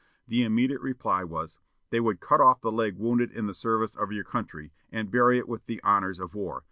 The immediate reply was: "They would cut off the leg wounded in the service of your country, and bury it with the honors of war.